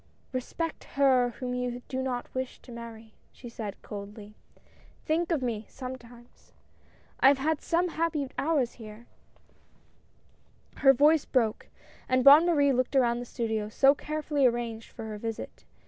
" Respect her whom you do not wish to marry," she said, coldly. " Think of me, sometimes. I have had some happy hours here I " Her voice broke, and Bonne Marie looked around the studio, so carefully arranged for her visit.